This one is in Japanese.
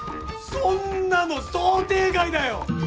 そんなの想定外だよ！